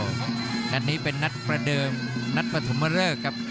นัดนี้เป็นนัดประเดิมนัดปฐมเริกครับ